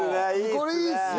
これいいっすね。